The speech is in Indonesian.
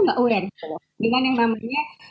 nggak aware dengan yang namanya